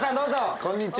こんにちは。